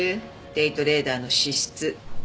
デイトレーダーの資質。